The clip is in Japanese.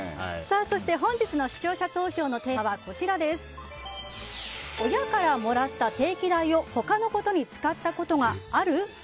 そして本日の視聴者投票のテーマは親からもらった定期代を他のことに使ったことがある？